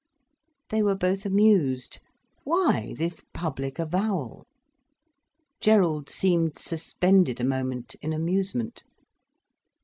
They were both amused. Why this public avowal? Gerald seemed suspended a moment, in amusement.